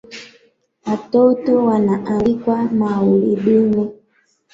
Watoto wanaalikwa maulidini